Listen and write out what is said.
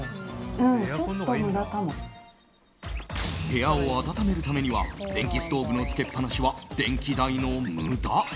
部屋を暖めるためには電気ストーブのつけっぱなしは電気代の無駄。